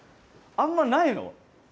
あんまないの！？